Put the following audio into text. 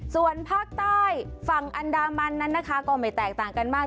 ส่วนภาคใต้ฝั่งอันดามันนั้นนะคะก็ไม่แตกต่างกันมาก